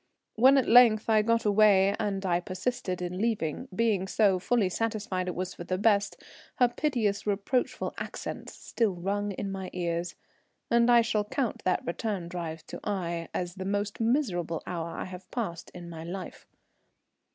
When at length I got away, and I persisted in leaving, being so fully satisfied it was for the best, her piteous, reproachful accents still rung in my ears, and I shall count that return drive to Aix as the most miserable hour I have passed in my life.